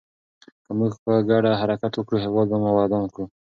که موږ په ګډه حرکت وکړو، هېواد به ودان کړو.